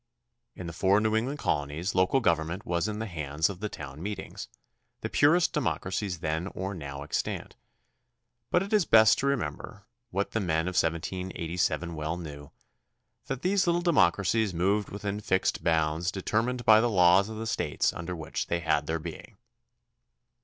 In the four New England Colonies local government was in the hands of the town meetings, the purest democracies then or now extant, but it is best to remember, what the men of 1787 well knew, that these little democracies moved within fixed bounds determined by the laws of the States under which they had their being.